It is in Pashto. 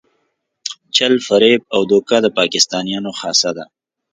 چل، فریب او دوکه د پاکستانیانو اصلي خاصه ده.